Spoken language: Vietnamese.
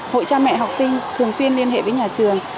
hội cha mẹ học sinh thường xuyên liên hệ với nhà trường